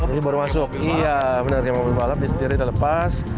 ini baru masuk iya bener ya mobil balap setirnya udah lepas